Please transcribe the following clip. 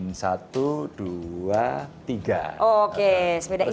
oke sepeda ini merahnya gak boleh dikirim